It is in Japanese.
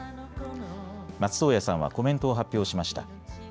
松任谷さんはコメントを発表しました。